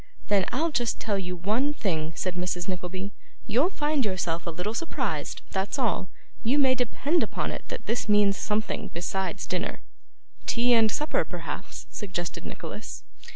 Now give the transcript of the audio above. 'Then I'll just tell you one thing,' said Mrs. Nickleby, you'll find yourself a little surprised; that's all. You may depend upon it that this means something besides dinner.' 'Tea and supper, perhaps,' suggested Nicholas.